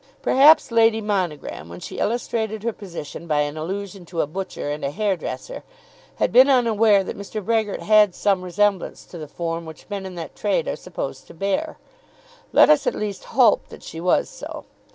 Perhaps Lady Monogram, when she illustrated her position by an allusion to a butcher and a hair dresser, had been unaware that Mr. Brehgert had some resemblance to the form which men in that trade are supposed to bear. Let us at least hope that she was so.